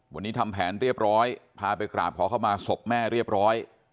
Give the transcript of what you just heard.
วันนี้ทำแผนเรียบร้อยพาไปกราบขอเข้ามาศพแม่เรียบร้อย